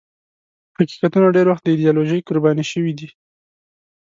حقیقتونه ډېر وخت د ایدیالوژۍ قرباني شوي دي.